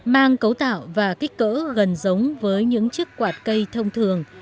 mang cấu tạo và kích cỡ gần giống với những chiếc quạt cây thông thường